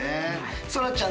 そらちゃん